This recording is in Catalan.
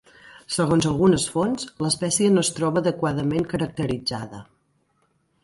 Segons algunes fonts, l'espècie no es troba adequadament caracteritzada.